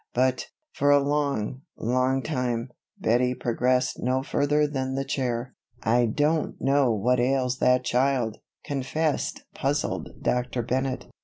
But, for a long, long time, Bettie progressed no further than the chair. "I don't know what ails that child," confessed puzzled Dr. Bennett.